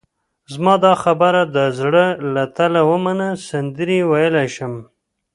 زما دا خبره د زړه له تله ومنه، سندرې ویلای شم.